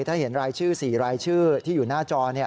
ถ้าเห็นรายชื่อ๔รายชื่อที่อยู่หน้าจอ